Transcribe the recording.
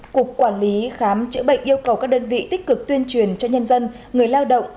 cục quản lý khám chữa bệnh yêu cầu các đơn vị tích cực tuyên truyền cho nhân dân người lao động